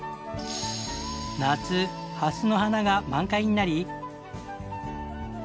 夏ハスの花が満開になり。